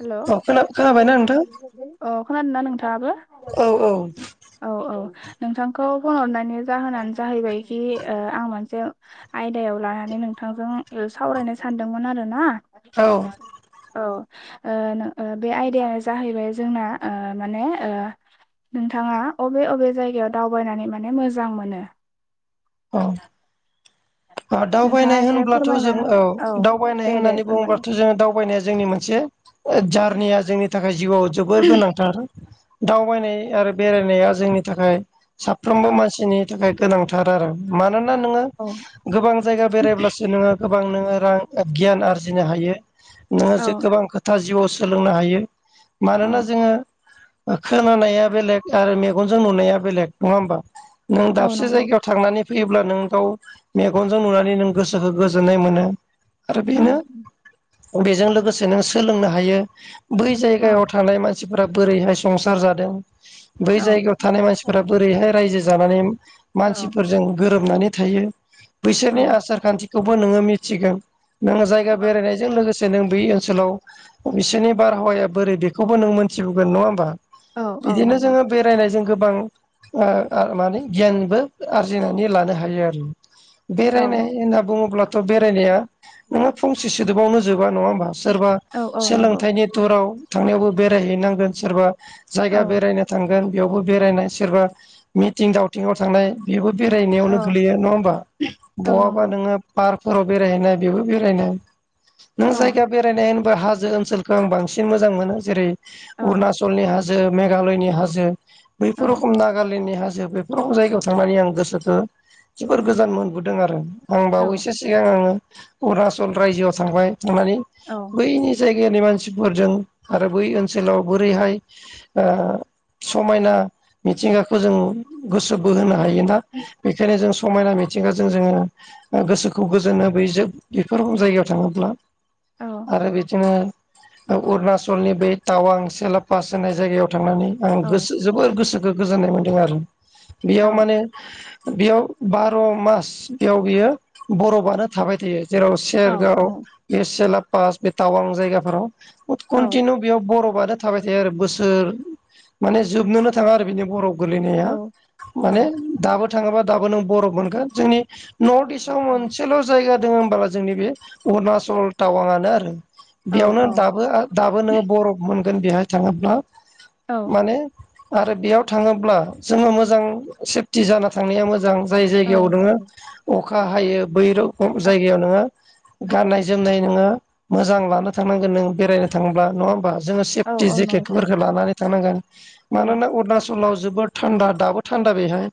Hello औ खोना खोनाबायना नोंथां अ खोनादों ना नों थाबो औ औ औ नोंथांखौ फन हरनायनि जाहोनानो जाहैबायखि ओ आं मोनसे आयदायाव लानानै नोंथा थांजों सावरायनो सानदोंमोन आरो ना? औ ओ ओ बे आयदायानो जाहैबाय जोंना ओ माने ओ नोंथाङा अबे अबे जायगायाव दावबायनानै माने मोजां मोनो? औ अ नोंथाङा दावबायनाय एसे होनब्लाथ' फोरमायना जों हो औ दावबायनाय दे दे होननानै फोरमायलाय बुङोब्लाथ' जो दावबायनाया जोंनि मोनसे जारनिया जोंनि थाखाय जिउआव जोबोर गोनांथार। दावबायनाय आरो बेरायनाया जोंनि थाखाय साफ्रोमबो औ मानसिनि थाखाय गोनांथार आरो मानोना नोङो औ गोबां जायगा बेरायब्लासो नोङो गोबां नोङो रां गियान आरजिनो हायो नोङो जे औ गोबां खोथा जिउआव सोलोंनो हायो । औ मानोना जोङो। खोनानाया बेलेग आरो मेगनजों नुनाया बेलेग नङा ओमबा? नों औ दाबसे नंगौ जायगायाव थांनानै फैयोब्ला नोंथाव मेगनजों नुनानै नों गोसोखौ गोजोननाय मोनो। आरो औ बेनो बेजों लोगोसे नों सोलोंनो हायो बै औ जायगायाव थानाय मानसि मानसिफोरा बोरैहाय संसार जादों । बै औ जायगायाव थानाय मानसिफोरा बोरैहाय रायजो जानानै औ मानसिफोरजों गोरोबनानै थायो बैसोरनि औ आसार खान्थिखौबो नोङो मिथिगोन। नोङो जायगा बेरायनायजों लोगोसे नों बे ओनसोलाव बिसोरनि बारहावाया बोरै बेखौबो नों मोनथिबोगोन नङा ओमबा? औ औ बिदिनो नंगौ जोङो बेरायनायजों गोबां ओ ओ माने गियानबो आरजिनो लानो हायो आरो औ बेरायनाय होनना बुङोब्लाथ' बेरायनाया नोंहा फंसे सोदोबावनो जोबा नङा होमबा सोरबा औ औ नंगौ सोलोंथाइनि तुराव थांनायावबो बेरायहैनांगोन सोरबा औ जायगा बेरायनो थांगोन बेयावबो बेरायनाय सोरबा मिथिं दावथिंआव थांनाय बेबो बेरायनायावनो औ गोलैयो नङा होमबा औ बहाबा नंगौ नोङो पार्क हाव बेरायहैनाय बेबो बेरायनाय नों औ जायगा बेरायनाय हाजो ओनसोलखौ आं बांसिन मोजां मोनो जेरै औ अुणचलनि हाज हाजो मेघालयनि हाजो औ बैफोर रोखम नागालेण्डनि हाजो बैफोर रख जायगायाव थांनानैं गोसो खो जोबोर गोजान मोनबोदों आरो आं औ बावैसो सिगां आङो अरुणचल रायजोआव थांबाय थांनानै औ बैनि जायगायाव जायगानि मानसिफोरजों आरो बै ओनसोलाव बोरैहाय ओ समायना मिथिंगाखौ जों गोसो बोहोनो हायोना बेखायनो जों समायना मिथिंगाजों जोङो गोसोखौ गोजोनबोयो जोब बेफोर जायगायाव थाङोब्ला औ आरो बिदिनो अरुणचलनि बै टावां सेलापास होननाय जायगायाव थांनानै आं औ गोसो जोबोर गोसोखौ गोजोन्नाय मोन्दों आरो औ बेयाव माने बेयाव बार' मास बेयाव बियो बर'फानो थाबाय थायो। जेराव सेरगाव बे सिला पास बे टावां जायगाफोराव कन्टिनिउ बि बरब थाबाय थायो आरो बोसोर माने जोबनोनो थाङा आरो बिनि बरफ गोलैनाया माने दाबो थाङोबा दाबो नों बरफ मोनगोन जोंनि नर्थ इस्टआव मोनसेल' जायगा दङ होनोब्ला जोंनि बे अरुणाचल टाउनआनो आरो। औ बेयावनो दाबो दाबो नोङो बरफ मोनगोन बेहाय थाङोब्ला। माने आरो बेयाव थाङोब्ला जोङो मोजां सेफ थि जाना थांनाया मोजां जाय जायगायाव नोङो अखा हायो बै रोखम जायगायाव नोङो गाननाय जोमनाय नोङो मोजां लाना थांनांगोन नों बेरायनो थांब्ला नङा होमबा? जोङो औ सेफटि औ नंगौ जेकेटफोरखौ लानानै थांनांगोन औ मानोना अरुणाचल लाव जोबोद थान्दा दाबो थान्दा बेहाय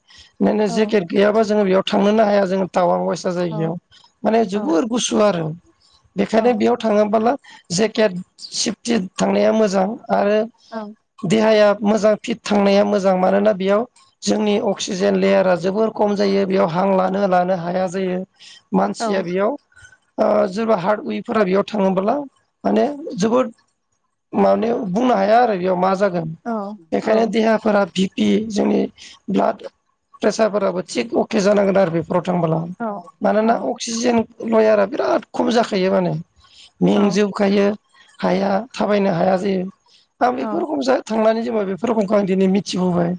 माने औ जेकेट गैयाबा जो बेयाव थांनोनो हाया जोङो टावां बायसा औ जायगायाव माने औ जोबोर गुसु आरो। औ बेखायनो बेयाव थाङोबोला जेकेट सेफ्टि थांनाया मोजां। आरो औ देहाया मोजां फिट थांनाया मोजां मानोना बेयाव जोंनि अक्सिजेन लेयारा जोबोर खम जायो बेयाव हां लानो लानो हाया जायो। मानसिया बेयाव ओ सोरबा हार्डउइफोरा बेयाव थाङोबोला माने जोबोद माने बुंनो हाया आरो बेयाव मा जागोन औ बेखायनो औ देहाफोरा बिग बि जोंनि ब्लाड प्रेसारफोराबो थिग अके जानांगोन आरो बे। नराव थांबोला मानोना अक्सिजेन लयारा बिराद खम जाखायो माने। मेंजोबखायो हाया थाबायनो हाया जायो। आं बेफोर रखम थांनानै जोंङो बेफोर रखमखौ आं दिनै मिथिबोबाय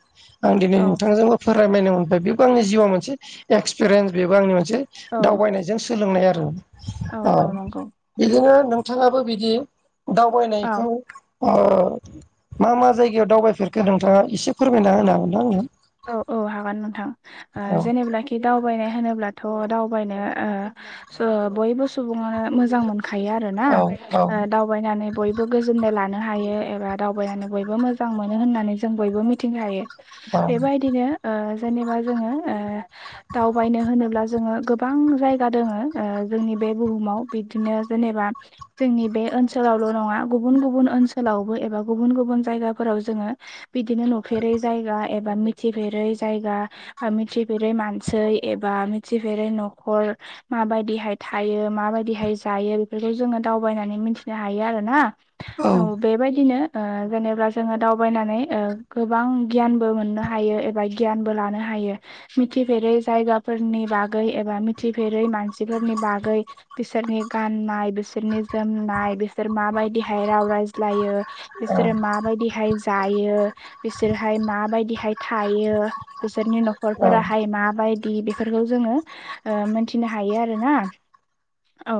आं दिनै नोंथांजोंबो फोरमायनो मोनबाय बेबो आंनि जिउआव मोनसे एक्सपिरियेन्स बेबो आंनि मोनसे दावबायनायजों सो सोलोंनाय आरो ओ औ नंगौ बिदिनो नोंथाङाबो बिदि औ दावबायनायखौ ओ मा मा जायगायाव दावबायफेरखो नोंथाङा एसे फोरमायना होनो हागोन ना आंनो? औ औ हागोन नोंथां ओ औ जेनेब्लाखि दाउ दावबायनाय होनोब्लाथ' दावबायनो ओ बयबो सुबुङानो मोजां मोन खायो आरो ना औ औ दावबायनानै बयबो गोजोननाय लानो हायो। एबा दावबायनानै बयबो मोजां मोनो होननानै जों बयबो मिथिखायो। बेबायदिनो ओ जेनेबा जोङो ओ दावबायनो होनोब्ला जोङो गोबां जायगा दोङो जोंनि बे बुहुमाव बिदिनो जेनेबा जोंनि बे ओनसोलावल' नङा गुबुन गुबुन ओनसोलावबो एबा गुबुन गुबुन जायगाफोराव जों बिदिनो नुफेरै जायगा एबा मिथिफेरै जायगा बा मिथिफेरै मानसै एबा मिथिफेरै न'खर माबायदिहाय थायो माबायदिहाय जायो बेफोरखौ जोङो दावबायनानै मिथिनो हायो आरो ना। औ बेबायदिनो ओ जेनेबा जोङो दावबायनानै ओ गोबां गियान बो मोननो हायो एबा गियान बो लानो हायो मिथिफेरै जायगाफोरनि बागै एबा मि फेरै मानसिफोरनि बागै बिसोरनि गाननाय बिसोरनि जोमनाय बिसोर माबाय बायदिहाय राव रायज्लायो औ बिसोरो माबायदिहाय जायो बिसोरहाय माबाय बिदिहाय थायो बिसोरनि औ न'खरफोराहाय माबाय दि बेफोरखौ जोङो मोनथिनो हायो आरो ना औ।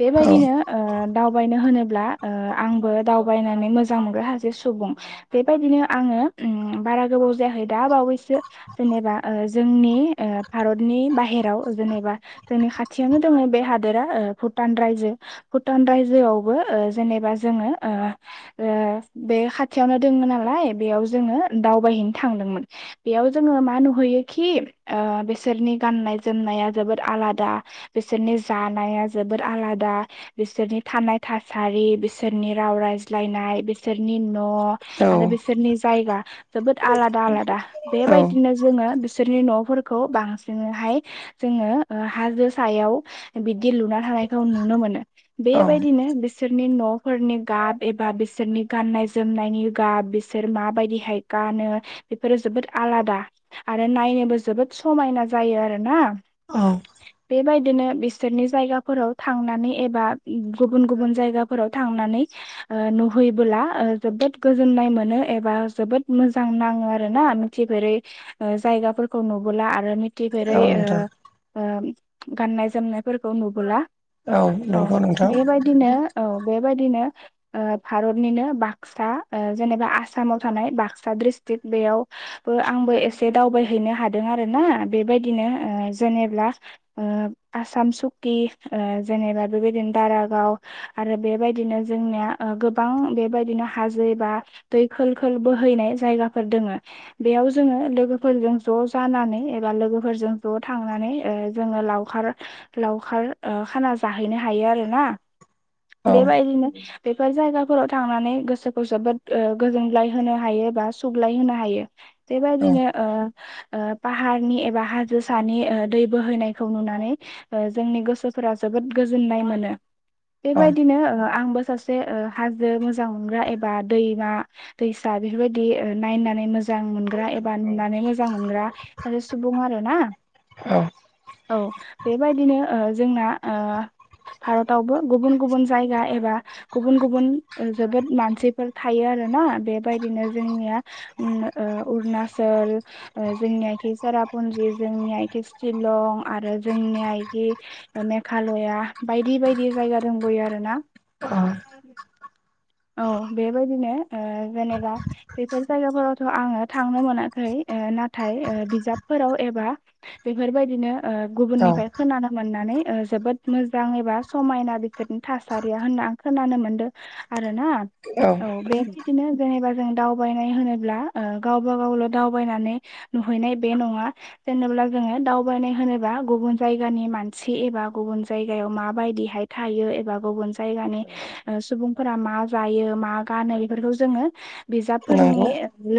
बेबायदिनो ओ दावबायनो होनोब्ला ओ आंबो दावबायनानै मोजां मोनग्रा सासे सुबुं बेबायदिनो आङो ओ उम बारा गोबाव जायाखै दा बावैसो जेनेबा ओ जोंनि ओ भारतनि बाहेराव जेनेबा जोंनि खाथियावनो दङ बे हादोरा ओ भुटान रायजो भुटान रायजोआवबो ओ एबा जोंङो ओ ओ बे खाथियावनो दोंङो नालाय बेयाव जोङो दाउ दावबायहैनो थांदोंमोन। बेयाव जोङो मा नुहैयोखि ओ बिसोरनि गाननाय जोमनाया जोबोद आलादा। बिसोरनि जानाया जोबोद आलादा बिसोरनि थानाय थासारि बिसोरनि राव राय राज्लायनाय बिसोरनि न आरो बिसोरनि जायगा जोबोद आलादा आलादा बेबायदिनो जोङो बिसो बिसोरनि न'फोरखौ बांसिनहाय जोङो ओ हाजो सायाव बिदि लुना थानायखौ नुनो मोनो औ बेबायदिनो बिसोर बिसोरनि न'फोरनि गाब एबा बिसोरनि गाननाय जोमनायनि गाब बिसोर माबायदिहाय गानो बेफोरो जोबोद आलादा आरो नायनोबो जोबोद समायना जायो आरोना। औ। बेबायदिनो बिसोरनि जायगाफोराव थांनानै एबा गुबुन गुबुन जायगाफोराव थांनानै ओ नुहैबोला जोबोद गोजोन्नाय मोनो एबा जोबोद मोजां नाङो आरो ना मिथिफेरै जायगाफोरखौ नुबोला आरो औ मिथिफेरै नोंथां ओ ओ गाननाय जोमनायफोरखौ नुबोला । औ नंगौ नोंथां बेबायदिनो औ बेबायदिनो ओ भारतनिनो बाक्सा ओ जेनेबा आसामाव थानाय बाक्सा बाक्सा दिस्ट्रिक्ट बेयावबो आंबो एसे दावबायहैनो हादों आरो ना बेबायदिनो ओ जेनेब्ला ओ आसाम सुक्ति ओ जेनेबा बेबायदिनो दारागाव आरो बेबायदिनो जोंनिया ओ गोबां बेबायदिनो हाजो एबा दै खोल खोल बोहैनाय । जायगाफोर दोङो बेयाव जोङो लोगोफोरजों ज' जानानै एबा लोगोफोरजों ज' थांनानै ओ जोङो लावखार लावखार ओ खाना जाहैनो हायो आरो ना। औ बेबायदिनो बेफोर जायगाफोराव थांनानै गोसोखौ जोबोद ओ गोजोनगलाय होनो हायोबा सुगलाय होनो हायो औ बेबायदिनो ओ ओ पाहारनि एबा हाजो सानि ओ दै बोहैनायखौ नुनानै ओ जोंनि गोसो फोरा जोबोद गोजोननाय मोनो बेबायदिनो ओ आंबो सासे ओ हाजो मोजां मोनग्रा एबा दैमा दैसा बेफोरबादि बिदि ओ नायनानै मोजां मोनग्रा एबा नुनानै मोजां मोनग्रा सासे सुबुं आरो ना । औ। औ बेबायदिनो ओ जोंना ओ भारतावबो गुबुन गुबुन जायगा एबा गुबुन गुबुन जोबोद मानसिफोर थायो आरो । ना बेबायदिनो जोंनिया उम ओ अरुणाचल ओ जोंनिया इखि सेरापुजि जोंनिया इखि शिलं आरो जोंनिया इदि मेघालया बायदि बायदि जायगा दं दि आरो ना औ बेबायदिनो ओ जेनेबा बेफोर जायगाफोरावथ' आङो थांनो मोनाखै ओ नाथाय ओ बिजाबफोराव एबा बेफोरबायदिनो औ गुबुननिफ्राय ओ खोनानो मोननाय। नानै जोबोद मोजां एबा समायना बिसोरनि थासारिया होनना आं खोनानो मोनदों आरो ना। औ बे थिग जेनेबा जों दावबायनाय होनोब्ला ओ गावबा गावल' दावबायनानै नुहैनाय बे नङा जेनेबा जों जोङो दावबायनाय होनोबा गुबुन जायगानि मानसि एबा गुबुन जायगायाव माबायदिहाय थायो। एबा गुबुन जायगानि सुबुंफोरा मा जायो मा गानो इफोरखौ जोङो बिजाबफोरनि नंगौ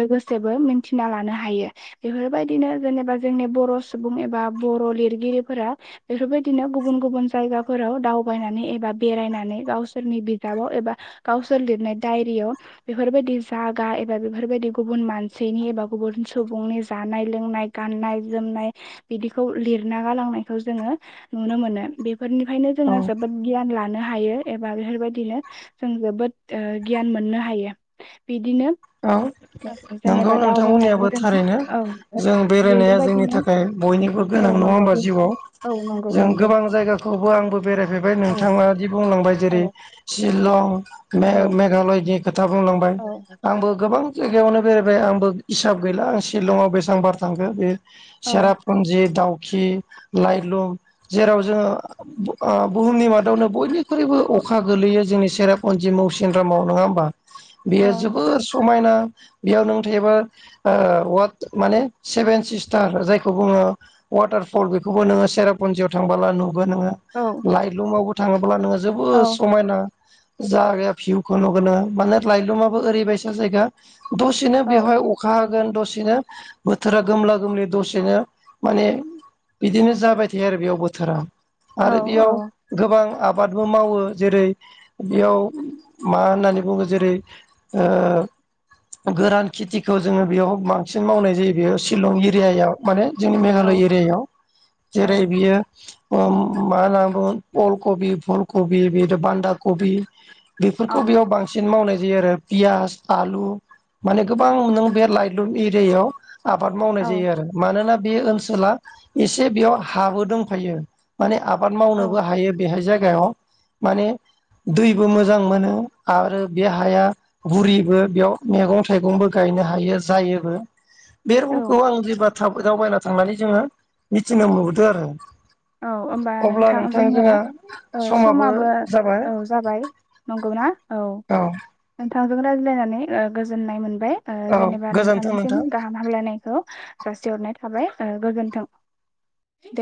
लोगोसे जेबो मिथिना लानो हायो बेफोरबायदिनो जेनेबा जोंनि बर' सुबुं एबा बर' लिरगिरि । गिरिफोरा बेफोरबायदिनो गुबुन गुबुन जायगाफोराव दावबायनानै एबा बेरायनानै गावसोरनि बिजाबाव एबा गावसोर लिरनाय दायरियाव बेफोरबायदि । जागा एबा बेफोरबायदि गुबुन मानसिनि एबा गुबुन सुबुंनि जानाय-लोंनाय गान्नाय-जोम नाय बिदिखौ लिरना गालांनायखौ जोंङो नुनो मोनो बेफोरनिफ्रायनो औ जोङो जोबोद गियान लानो हायो एबा बेफोरबायदिनो जों जोबोद ओ गियान मोननो हायो। बिदिनो औ नंगौ जेनेबा दावबायनानै नोंथांमोननियाबो जोङो थारैनो औ जों बेरायनाया जोंनि बेफोरबायदिनो थाखाय बयनिबो औ गोनां। नङा नंगौ होमबा जिउआव औ नंगौ जों नंगौ गोबां जायगाखौबो आंबो बेरायफेरबाय औ नोंथांङादि बुंलांबाय जेरै औ शिलं औ मे-मेघालयनि खोथा बुंलांबाय औ आंबो गोबां जायगायावनो बेरायबाय आंबो इसाब गैला आं शिलंआव बेसांबार थांखो बे औ सेरापुन्जि दाउ खि लाइ लुम जेराव जोङो ओ बुहुमनि मादावनो बयनिख्रुइबो अखा गोलैयो जोंनि सेरापन्जि मौसिन्द्रामाव नङा ओमबा औ बेयो जोबोर समायना। बेयाव नों थायोबा ओ वट माने सेभेन सिस्टार जायखौ बुङो वाटार भल बेखौबो नोंङो सेरापन्जियाव थांबोला नु गोन नोंङो औ लाइलुमआवबो थाङोब्ला नोंङो औ जोबोद समायना जागाया भिउखौ नुगोन नों माने लायलुमाबो ओरैबायसा जायगा दसेनो बेवहाय अखा गोन दसेनो बोथोरा गोमला-गोमलि दसेनो माने बिदिनो जाबाय थायो आरो बेयाव बोथोरा औ आरो बेयाव औ गोबां आबादबो मावो जेरै बेयाव मा होननानै बुङो जेरै ओ गोरान खेथिखौ जोंङो बेयाव बांसिन मावनाय जायो बेयाव शिलं एरियायाव माने जोंनि औ मेघालय एरियायाव औ जेरै बियो ओम मा होनना बुङो अल कबि फुल कबि बिदि बान्दा कबि। बेफोरखौ औ बेयाव बांसिन मावनाय जायो आरो पियास आलु। माने गोबां नों बे लाइलुन एरियायाव आबाद मावनाय औ जायो आरो मानोना बे ओनसोला एसे बेयाव हाबो दंफायो माने आ बाद औ मावनोबो हायो बेहाय जायगायाव माने दैबो मोजां मोनो आरो बे हाया बुरिबो बेयाव मैगं थाइगंबो गायनो हायो जायोबो बे औ रुमखौ आं जे [unintelligible] दाव-दावबायना थांनानै जोंङो मिथिनो मोनबोदों आरो। औ ओमबा नोंथां जोंहा ना? आ समाबो औ जाबाय नंगौ ना? औ। थांजों रायज्लायनानै ओ गोजोननाय मोनबाय ओ औ जेनेबा गोजोन्थों नोंथांनिसिम नोंथां गाहाम हामलायनायखौ जासि हरनाय थाबाय ओ गोजोनथों। दे।